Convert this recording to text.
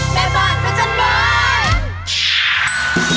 มันเป็นบ้านของจันบาย